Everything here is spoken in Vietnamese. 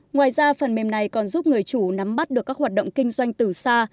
ngoài ra phần mềm này còn giúp người chủ nắm bắt được các hoạt động kinh doanh từ xa